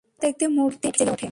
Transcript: হঠাৎ একটি মূর্তি জেগে ওঠে।